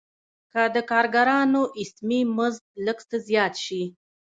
که د کارګرانو اسمي مزد لږ څه زیات شي